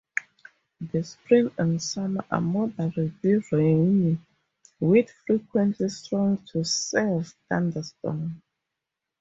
The spring and summer are moderately rainy, with frequent strong to severe thunderstorms.